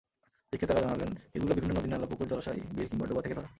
বিক্রেতারা জানালেন, এগুলো বিভিন্ন নদী-নালা, পুকুর, জলাশয়, বিল কিংবা ডোবা থেকে ধরা।